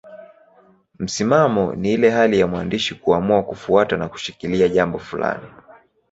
Msimamo ni ile hali ya mwandishi kuamua kufuata na kushikilia jambo fulani.